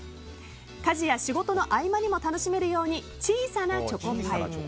家事や仕事の合間にも楽しめるように小さなチョコパイ。